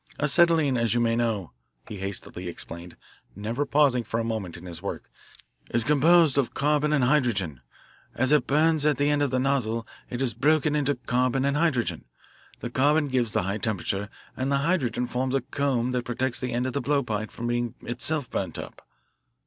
"Acetylene, as you may know," he hastily explained, never pausing for a moment in his work, "is composed of carbon and hydrogen. As it burns at the end of the nozzle it is broken into carbon and hydrogen the carbon gives the high temperature, and the hydrogen forms a cone that protects the end of the blowpipe from being itself burnt up."